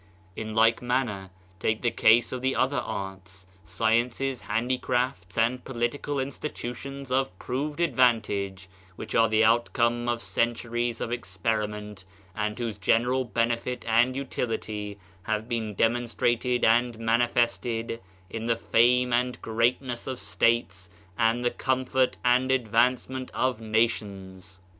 In like manner, take the case of the other arts, sciences, handicrafts, and political institutions of proved advantage, virhich are the outcome of cen turies of experiment and whose general benefit and utility have been demonstrated and manifested in the fame and greatness of states and the com fort and advancement of nations.